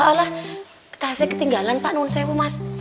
alah tak usah ketinggalan pak nunsayamu mas